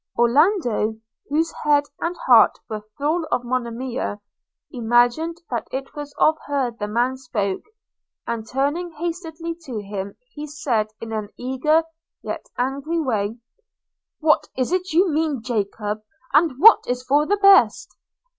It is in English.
Orlando, whose head and heart were full of Monimia, imagined that it was of her the man spoke; and turning hastily to him, he said in an eager, yet angry way – 'What is it you mean, Jacob, and what is for the best?'